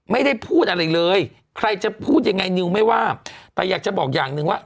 ไม่ได้พูดอะไรเลยใครจะพูดยังไงนิวไม่ว่าแต่อยากจะบอกอย่างหนึ่งว่า